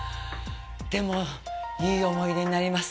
でも、いい思い出になります。